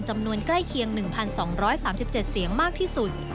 ใกล้เคียง๑๒๓๗เสียงมากที่สุด